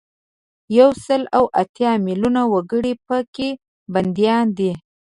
یو سل او اتیا میلونه وګړي په کې بندیان دي.